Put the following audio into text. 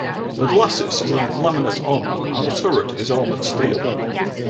The glacis is of laminate armour and the turret is armoured steel.